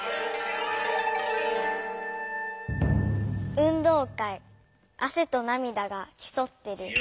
「運動会汗と涙が競ってる」。